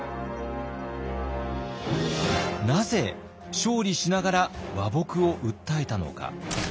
なぜ勝利しながら和睦を訴えたのか？